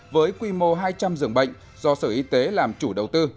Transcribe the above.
với quy mô hai trăm linh giường bệnh do sở y tế làm chủ đầu tư